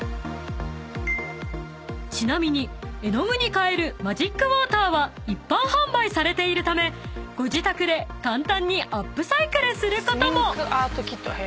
［ちなみに絵の具に変えるｍａｇｉｃｗａｔｅｒは一般販売されているためご自宅で簡単にアップサイクルすることも］